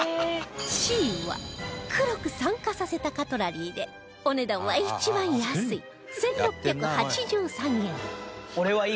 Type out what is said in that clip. Ｃ は黒く酸化させたカトラリーでお値段は一番安い１６８３円